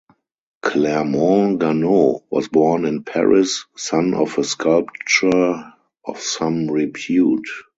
Clermont-Ganneau was born in Paris, son of a sculptor of some repute.